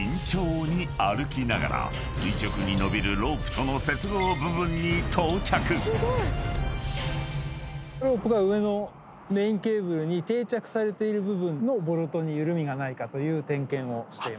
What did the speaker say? ロープの上のメインケーブルに定着されている部分のボルトに緩みがないかという点検をしています。